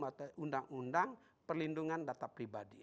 atau undang undang perlindungan data pribadi